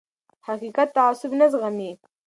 حقیقت تعصب نه زغمي